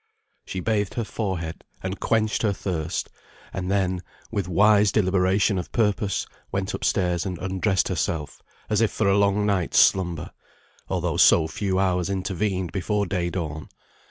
She bathed her forehead, and quenched her thirst, and then, with wise deliberation of purpose, went upstairs, and undressed herself, as if for a long night's slumber, although so few hours intervened before day dawn.